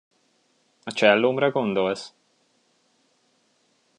A csellómra gondolsz?